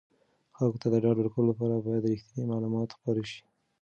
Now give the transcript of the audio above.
خلکو ته د ډاډ ورکولو لپاره باید رښتیني معلومات خپاره شي.